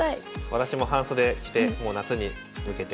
私も半袖着てもう夏に向けて。